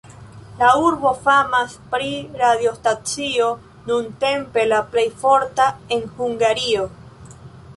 La urbo famas pri radiostacio, nuntempe la plej forta en Hungario.